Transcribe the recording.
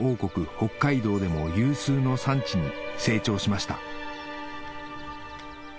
北海道でも有数の産地に成長しました